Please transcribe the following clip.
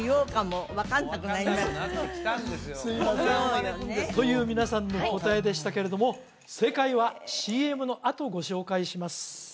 もう分かんなくなってきたんですよという皆さんの答えでしたけれども正解はＣＭのあとご紹介します